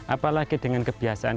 apalagi dengan kebiasaan